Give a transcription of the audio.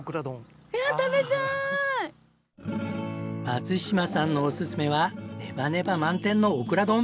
松嶋さんのおすすめはネバネバ満点のオクラ丼。